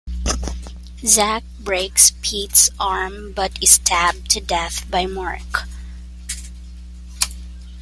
Zack breaks Pete's arm but is stabbed to death by Marc.